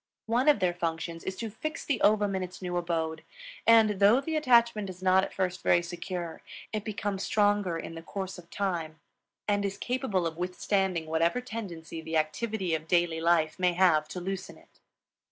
One of their functions is to fix the ovum in its new abode; and, though the attachment is not at first very secure, it becomes stronger in the course of time and is capable of withstanding whatever tendency the activity of daily life may have to loosen it.